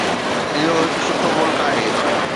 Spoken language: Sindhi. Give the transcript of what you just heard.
اهو هڪ سٺو ملڪ آهي.